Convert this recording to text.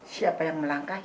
siapa yang melangkahin